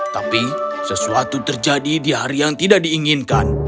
tapi sesuatu terjadi di hari yang tidak diinginkan